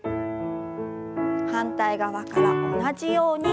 反対側から同じように。